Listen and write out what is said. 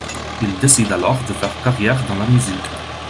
Il décide alors de faire carrière dans la musique.